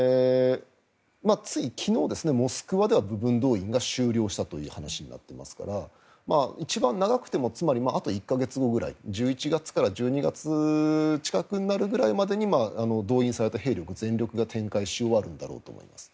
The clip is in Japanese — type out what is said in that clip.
つい昨日、モスクワでは部分動員が終了したという話になっていますから一番長くてもあと１か月後くらい１１月から１２月近くになるぐらいまでに動員された兵力を、全力が展開し終わるんだと思います。